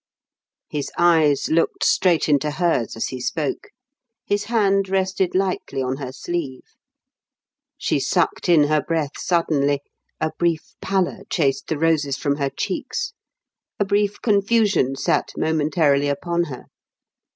His eyes looked straight into hers as he spoke, his hand rested lightly on her sleeve. She sucked in her breath suddenly, a brief pallor chased the roses from her cheeks, a brief confusion sat momentarily upon her.